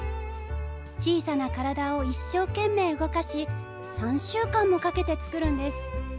小さな体を一生懸命動かし３週間もかけて作るんです。